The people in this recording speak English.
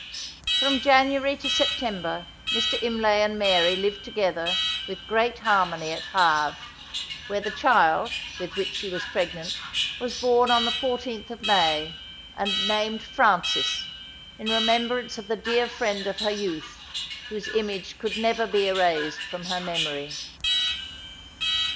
From January to September, Mr. Imlay and Mary lived together, with great harmony, at Havre, where the child, with which she was pregnant, was born, on the fourteenth of May, and named Frances, in remembrance of the dear friend of her youth, whose image could never be erased from her memory.